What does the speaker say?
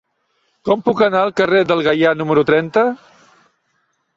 Com puc anar al carrer del Gaià número trenta?